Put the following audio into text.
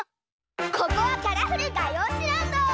ここはカラフルがようしランド！